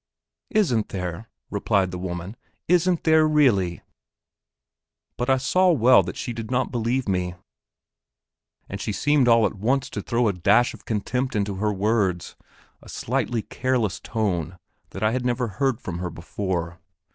"Isn't there?" replied the woman, "isn't there really?" But I saw well that she did not believe me, and she seemed all at once to throw a dash of contempt into her words, a slightly careless tone that I had never heard from her before.